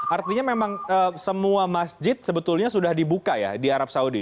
artinya memang semua masjid sebetulnya sudah dibuka ya di arab saudi